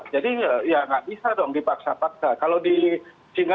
jadi ya nggak bisa dong dipaksa paksa